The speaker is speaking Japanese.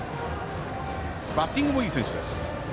バッティングもいい選手です。